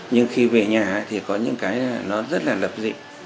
nhưng khi về nhà thì có những cái là nó rất là lập dị